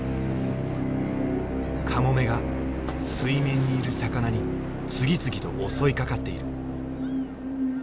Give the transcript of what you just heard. カモメが水面にいる魚に次々と襲いかかっている。